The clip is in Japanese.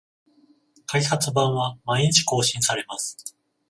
開発版は毎日更新されます